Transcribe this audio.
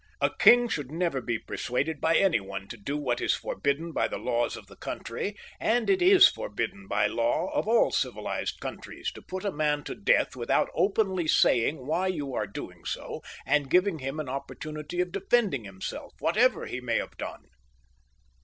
A king should never be persuaded by XX.] PHILIP III {LE HARDI\ Vll 1 \ any one to do what is forbidden by the laws of the country ; and it is forbidden by law, both in England and France, to put a man to death without openly saying why you are doing so, and giving him an opportunity of defending him self, whatever he may have done.